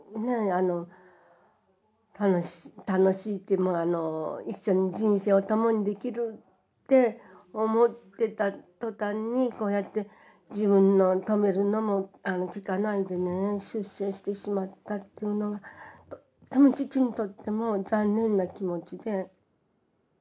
あの楽しい一緒に人生を共にできるって思ってた途端にこうやって自分の止めるのも聞かないでね出征してしまったっていうのがとっても父にとっても残念な気持ちで。